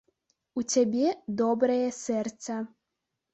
У цябе добрае сэрца.